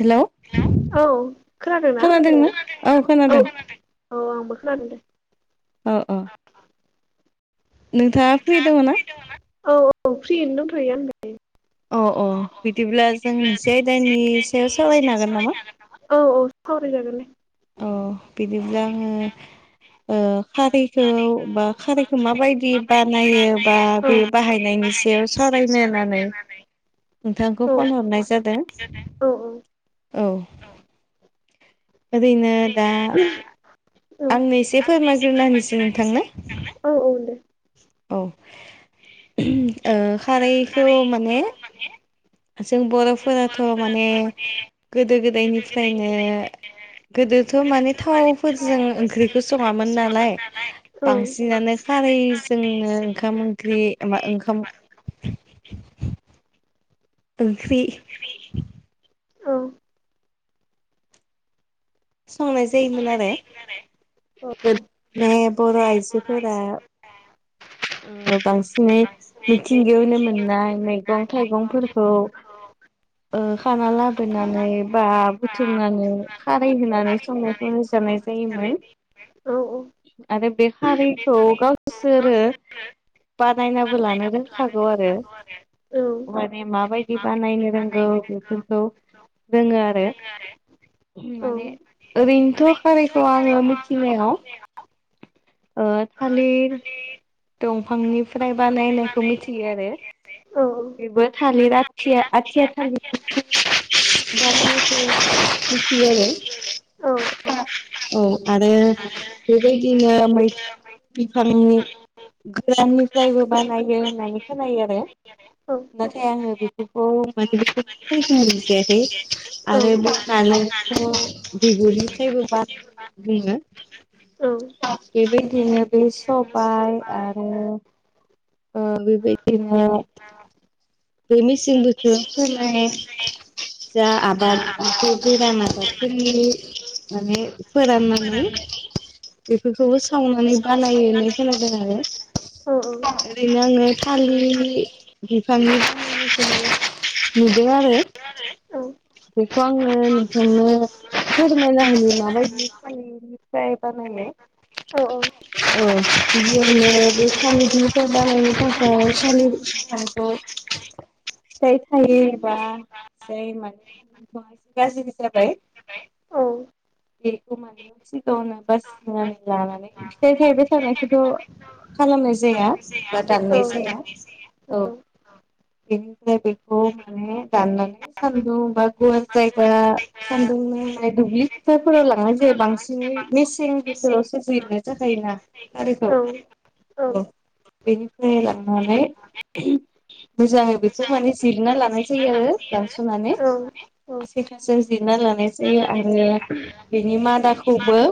हेल' औ खोनादोंना? औ खोनादों। औ आंबो खादों दे। अ अ नोंथाङा फ्रि दङ ना? औ औ फ्रियैनो दंथायो आङो अ अ बिदिब्ला जों मोनसे आयदानि सावरायनो हागोन नामा? औ औ सावरायजागोन। औ बिदिब्ला आङो खारैखौ बा खारैखौ माबायदि बानायो बा बे बाहायनायनि सायाव एसे सावरायनो होननानै सावरायनोनानै नोंथांखौ फन हरनाय जादों औ औ ओरैनो दा औ आंनो एसे फोरमाग्रोना होनिसै नोंथांनो औ औ दे। औ खारैखौ माने जों बर'फोराथ' माने गोदो गोदायनिफ्रायनो गोदोथ' माने थावफोरजों ओंख्रिखौ सङामोन नालाय औ बांसिनानो खारै जोंनो ओंखाम ओंख्रि मा ओंखाम ओंख्रि औ संनाय जायोमोन आरो औ बो बर' आइजोफोरा ओम बांसिनै मिथिंगायावो मोननाय मैगं थाइगंफोरखौ ओ खाना लाबोनानै बा बुथुमनानै खारै होनानै संनायखौ रोजानाय औ औ आरो बे खारिखौ गावसोरो बानायनाबो लानो रोंखागौ आरो औ माने माबायदि बानायनो रोंगौ बेफोरखौ रोङो आरो। माने ओरैनोथ' खारैखौ आङो मिथिनायाव। ओ थालिर दंफांनिफ्राय बानायनायखौ मिथियो आरो बेबो थालिर आ आथि आथिया थालिर। [inaudible] मिथियो आरो औ आरो बेबायदिनो मैथ बिफांनि गोदाननिफ्रायबो बानायो होननानै खोनायो आरो नाथाय आङो बेफोरखौ माने बे जेरै आरो बालख बिगुरनिफ्रायायबो बानाय बेनो बेबायदिनो बे सब सबाय ओ बेबायदिनो बे मिसिं बोथोर सोलाय जा आबाद बे गोरान आबादफोरानि माने फोराननानै बेफोरखौबो सावनानै बानायो। खोनादों आरो ओरैनो आङो थालिर बिफांनि खामनायखौ नुदों आरो औ बेखौ आङो नोंथांनो फोरमायना होयोनो माबायदि था फ्रायबानायो। औ जोंनो बे सालिरनिफ्राय बाहायनो थाखाय सालिर बिफांखौ फिथाय थायो एबा जाय मान नथा एसे गाज्रि जाबाय बेखौ माने सिगाङनो बासिनानै लानानै फिथाइ थाइबाय सानायखौथ' खालामनाय जाया बा दाननाय जाया। औ बेनिफ्राय बेखौ माने दाननानै सान्दुं बा गसाय जायगा सान्दुंनो नांनाय दुब्लि फोथारफोराव लांनाय जाया बांसिनै मेसें बोथोरावसो बिरनो थाखायायोना। औ औ बेनिफ्राय लांनानै मोजाङै बेखौ माने जिरना लानाय जायो आरो दानस'नानै। सथासो जिरना लानाय जायो आरो बेनि मादाखौबो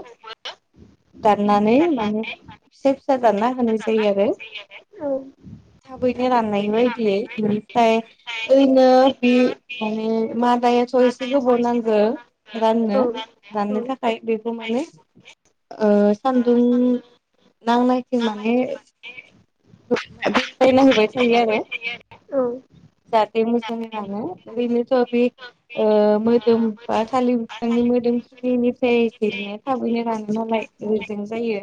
दाननानै माने फिसा फिसा दानना होनाय जायो आरो औ थाबैनो राननाय बायदि ओमफ्राय ओरैनो बे माने मादायाथ' एसे गोबाव नांगौ राननो। दाननो थाखाय बेखौ माने ओ सान्दुं नांनायथिं माने बायला होबाय थायो आरो जाथ मोजांरानो बिनो [unintelligible] ओ मोदोम बा थालिर बिफांनि मोदोमखिनिनिफ्राय जिरनाया थाबैनो रानों नालाय। हजों जायो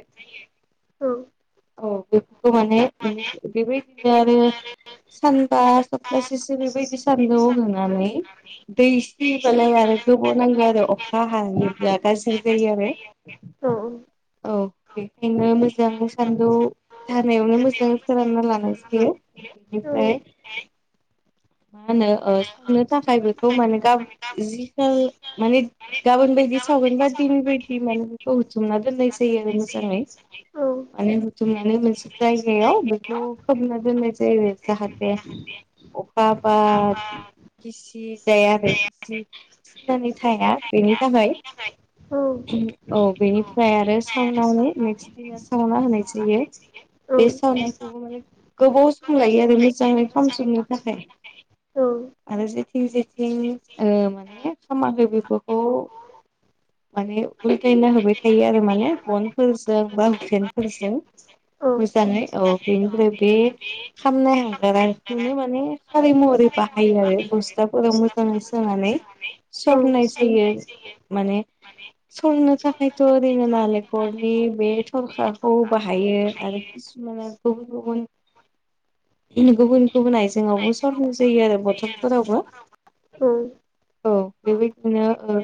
औ बेफोरखौ माने बेबायदिनो आरो सानबा सप्तासेसो बेबायदि सान्दुं होनानै दै सियोबालाय आरो गोबाव नांगौ आरो अखा हायोब्ला गाज्रि जायो आरो औ औ बेखायनो मोजां सान्दुं हानायावनो मोजाङै फोरानना लानाय जायो औ बेनिफ्राय मा होनो संनो थाखायबो औ मानो ग जि माने गाबोन बायदि सावगोन बा दिनै बायदि मान बुथुमना दोननाय जायो आरो मोजाङै माने बुथुमनानै मोनसे जायगायाव बेखौ फोरोंना दोननाय जायो जाहाथे अखा बाद खिसि जाया आरो इ थिनानै थाया बेनि थाखाय औ बेनिफ्राय आरो सावनावनो नेक्स्ट दिना सावना होनाय जायो बे सावनायखौबो माने गोबाव सम लायो आरो मोजाङै खामजोबनो थाखाय आरो जेथिं जेथिं माने खामाखै बेफोरखौ माने उलथायना होबाय थायो आरो माने बनफोरजों बा हुफेनफोरजों मोजाङै औ बेनिफ्राय बे खामनाय हाग्राखौनो माने [unintelligible] बाहायोाब फुसताब फोराव मोजाङै सोनानै सरनाय जायो माने माने सरनो थाखायथ' ओरैनो नालेंखरनि बे थरखाखौ बाहायो आरो [unintelligible] गुबुन गुबुन गुबुन गुबुन आइजेंआवबो सरन जायो आरो बथलफोरावबो ओं औ बेबायदिनो ओ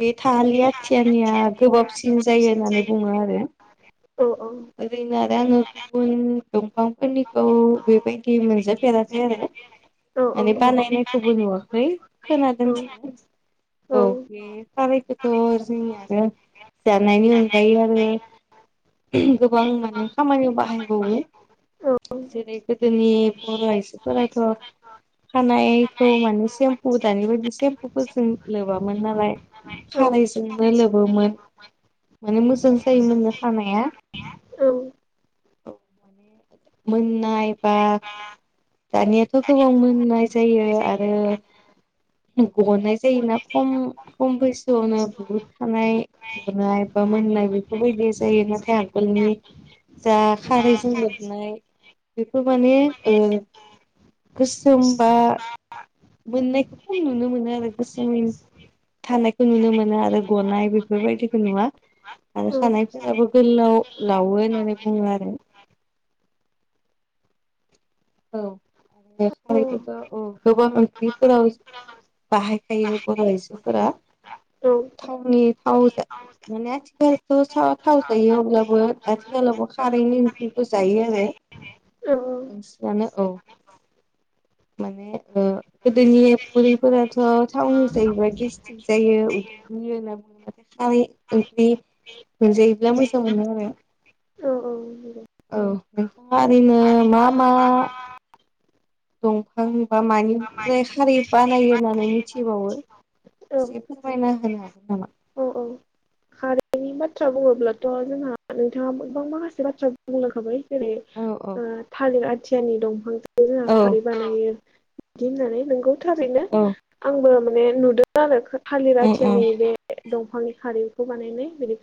बे थाहालि आथियानिया गोबाबसिन जायो होननानै बुङो आरो औ औ ओरैनो आरो आङो गुबुन दंफांफोरनिखौ बेबायदि मोनजोबफेराखै आरो माने बानायनायखौबो नुवाखै खोनादोंसो औ बे खारायखौथ' जोंनियानो जानायनि अनगायै आरो गोबां माने खामानियाव बाहायबावो जेरै गोदोनि बर' आइजोफोराथ' खानायखौ माने सेम्पु दानि बायदि सेम्फुफोर जों लोबामोन नालाय खारैजोंनो लोबोमोन माने मोजां जायोमोननो खानाया औ माने मोननाय बा दानियाथ' गोबां मोननाय जायो आरो गननाय जायोना खम खम बैसोआवनो बहुद थानाय गुनाय बा मोननाय बेफोरबायदि जायो नाथाय आगोलनि जा खारै जनो बेफोर माने ओ गोसोम बा मोननायखौ खम नुनो मोनो आरो गोसोमनि थानायखौ नुनो मोनो आरो गनाय बेफोरबायदिखौ नुवा आरो खानायफोराबो गोलाव लावो होननानै बुङो आरो औ [unintelligible] बाहायखायो बर' आइजोफोरा थावनि थाव जा माने आथिखालथ' थाव जायो अब्लाबो आथिखालावबो खारैनि बेखौ जायो आरो नोंसोरानो औ माने ओ गोदोनि बुरैफोराथ' टाउन जाहैबाय दिस्ट्रिक जायो उदै दुयो होनना बुङो ओमफाय ओंख्रि मोनजायोब्ला मोजां मोनो आरो। औ औ [unintelligible] औ नोंथाङा ओरैनो मा मा दंफां बा मानिफ्राय खारै बानायो होननानै मिथिबावो। एसे फोरमायना होनो हागोन नामा? खारैनि बाथ्रा बुङोब्लाथ' जोंहा नोंथाङा गोबां माखासे बाथ्रा बुंलांखाबाय जेरै औ ओ थालिर आथियानि दंफांखौ जोंहा औ खारै बानायो बिदि होननानै नोंगौ थारैनो औ आंबो माने नुदों आरो थालिर औ आथियानि बे दंफांनि खारौखौ बानायनाय बिनि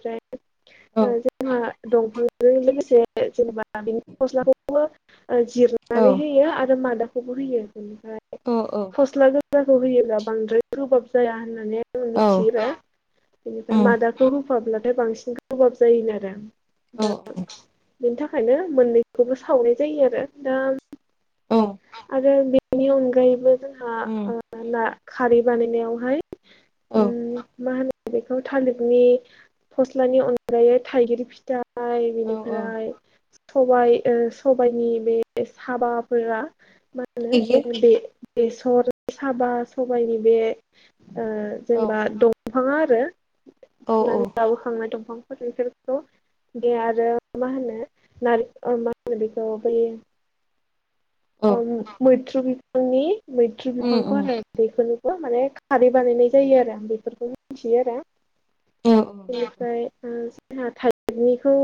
ओ औ जोंहा दंफांजों लोगोसे जेनेबा बिनि मस्लाखौ जिरनानै होयो आरो मादों खौबो होयो इनिफ्राय अ' औ फस्ला गोजाखौ होयोब्ला बांद्राय गोबाब जाया होननानै ओ औ मिथियोना बेनिफ्राय उम मादाखौ होफाब्लाथाय बांसिन गोबाब जायोनो आरो। औ दा बेनि थाखायनो मोननैखौबो सावनाय जायो आरो। दा औ आरो बेनि अनगायैबो जोंहा उम ओ नि खारै बानायनायावहाय औ उम माहोनो बेखौ थालिरनि फस्लानि अनगायै थाइगिर फिथा फाय औ औ बेनिफ्राय सबाय ओ सबायनि बे साबाफोरा मोनो थाइगिर बे बेसर साबा सबायनि बे ओ औ जेनबा दंफाङा आरो औ औ फुनानै लाबोखांनाय दंफां बेफोरखौ बे आरो मा होनो नार मा होनो बेखौ बेयो। औ अ' उम मैथ्रु बिफांनि मैथ्रु उम बिफांखौ उम आरो। दिफोरनोबो माने खारै बानायनाय जायो आरो। बेफोरखौनो मिथियो आरो। औ औ नंगौ। बेनिफ्राय ओ जोंहा थालिरनिखौ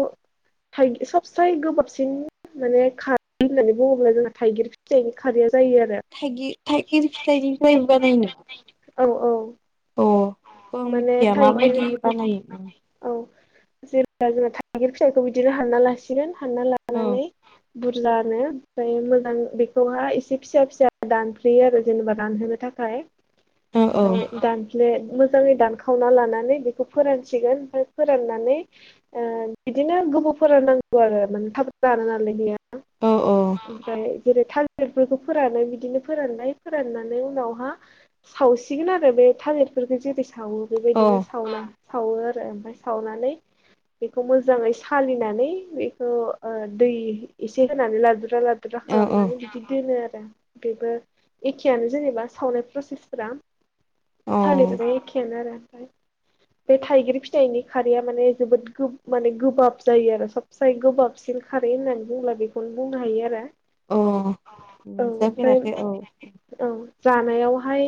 थाय सबसाय गोबाबसिन माने खारै होननानै बुङोब्ला जोंना थाइगिर फिथाइ खारैया जायो आरो। थाइगि थाइगिर फिथाइनिफ्राय बानायनो। औ औ अ' बेखौ आं माने मिथिया थाइगिर माबायदि बानायो? औ जेब्ला जों थाइगिर फिथाइखौ बिदिनो हानना लासिगोन हानना औ लानानै बुरजानो ओमफाय मोजां बेखौहाय एसे फिसा फिसा दानफलेयो आरो जेनेबा दानहोनो थाखाय औ ओमफाय दानसफले मोजाङै दानखावना लानानै बेखौ फोरानसिगोन ओमफ्राय फोराननानै ओ बिदिनो गोबावफोरान नांगौ आरो। माने थाब राना नालाय बेयो। औ औ ओमफ्राय जेरै थालिरफोरखौ फोरानै बिदिनो फोरानबाय फोराननानै उनावहा सावसिगोन आरो बे थालिरफोरखौ जेरै सावो औ बेबायदिनो सावना सावो आरो ओमफाय सावनानै बेखौ मोजाङै सालिनानै बेखौ ओ दै एसे होनानै लाद्रा लाद द्रा औ खालामनानै बिदि दोनो आरो। बेबो एखेयानो जेनेबा सावनाय प्रसेसफोरा औ थालिर जो एखेआनो आरो। [inaudible] बे थाइगिर फिनायनि खारैया माने जोबोद गोब माने गोबाब जायो आरो। सबसेाय गोबाबसिन खारै होननानै बुंब्ला बेखौनो बुंनो हायो आरो। औ औ ओमफ्राय मोनजाफेराखै औ औ जानायावहाय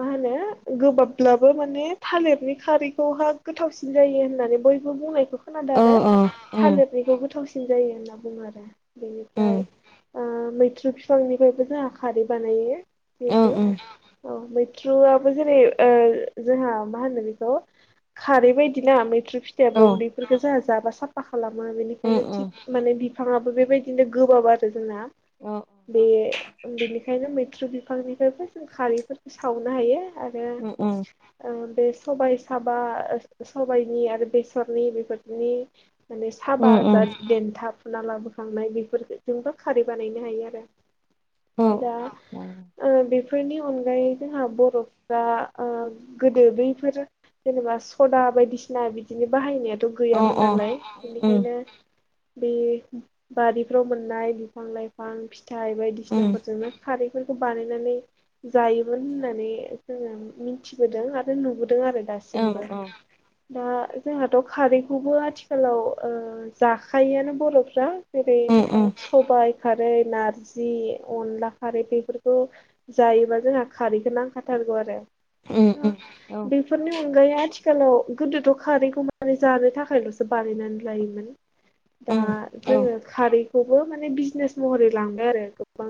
मा होनो ओ गोबाबब्लाबो माने थालिरनि खारैखौहाय गोथावसिन जायो होननानै बयबो बुंनायखौ खोनादो औ आरो औ उम थालिरनिखौ गोथावसिन जायो होनना बुङो आरो। उम बेनिफ्राय ओ मैथ्रु बिफांनिफ्रायबो जोंहा खारै बानायो। औ जिथु उम औ मैथ्रुआ जै जोंहा मा होनो बेखौ खारै बायदिना मैथ्रु फिथाइयाबो औ उदै बेफोरखौ जोंहा जाबा साफा खालामो उम बेनिखायनो उम थिग माने बिफाङाबो बेबायदिनो गोबाब आरो जोंना औ बे बेनिखायनो मैथ्रु बिफांनिफ्रायबो जों खारैफोरखौ सावनो हायो आरो उम उम ओ बे सबाय साबा ओ सबायनि आरो बेसरनि बेफोरनि माने साबा उम उम जाद देन्था फुना लाबोखांनाय बेफोरजोंबो खारै बानायनो हायो आरो। औ दा ओ बेफोरनि अनगायै जोंहा बर' दा ओ गोदो बैफोर जेनेबा सदा बायदिसिना बिदिनो बाहायनाया थ' अ गैयामोन अ नालाय उम उम बेनिखायनो बे बारिफ्राव मोननाय बिफां लाइफां फिथाइ उम बायदिसिनाफोरजोंनो खारैफोरखौ बानायनानै जायोमोन होननानै जोङो मिथिबोदों आरो नुबोदों आरो दासिमबो औ औ दा जोंहाथ' खारैखौबो आथिखालाव जाखायोआनो बर'फ्रा जेरै उम उम सबायाइ खारै नारजि अनला खारै बेफोरखौ जायोबा जोंहा खारैखौ नांखाथारगौ आरो उम उम बेफोरनि अनगायै ओमफ्राइ आथिखालाव गोदोथ' खारैखौ मारै जानो थाखायल'सो बानायनानै लायोमोन दा उम जोङो खारैखौबो माने बिजनेस महरै लांबाय आरो गोबां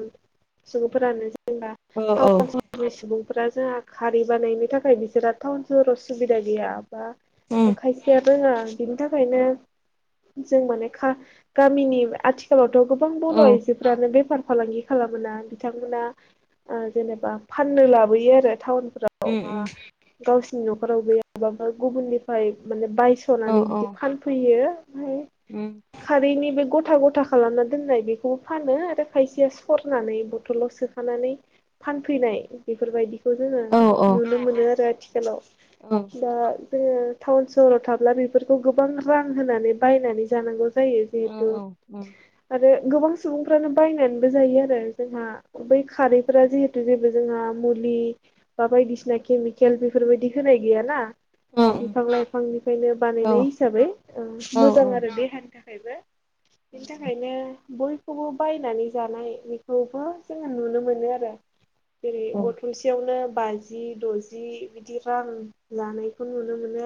सुबुंफोरानो जेनबा औ फांथाम फांब्रैसो जोंहा खारै बानायनो थाखायबो बिसोरा टाउन सहराव सुबिदा गैया बा उम खायसे फखाया रोङा बिनि थाखायनो जों माने गामिनि आथि ओनसोलावथ' गोबां बर' उम आइजोफ्रानो बेफार फालांगि खालामना बिथांमोना जेनेबा फाननो लाबोयो आरो टाउनफोराव उम गावसिनि न'खराव गैयाबाबो गुबुननिफ्राय माने बायस'नानै बिदि फानफैयो ओमफ्राय उम खारैनि बे गथा गथा खालामना दोननाय बेखौबो फानो आरो खायसेया सरनानै बथलाव सोयो खानानै फानफैनाय बेफोरबायदिखौ जोङो औ नुनो मोनो आरो आथिखालाव औ दा जोङो टाउन सहराव थाब्ला बेफोरखौ गोबां रां होनानै बायनानै जानांगौ जायो जिहेथु आरो गोबां सुबुंफ्रानो बायनानैबो जायो आरो जोंहा बै खारैफोरा जिहेतु जेबो जोंहा मुलि बा बायदिसिना केमिकेल बेफोरबायदि होनाय गैयाना बिफां लाइफांनिफ्रायनो औ बानायनाय हिसाबै औ मोजां आरो देहानि थाखायबो बेनि थाखायनो बयखौबो बायनानै जानाय बेखौबो जोङो नुनो मोनो आरो जेरै औ थसेयावनो बाजि द'जि बिदि रां लानायखौ नुनो मोनो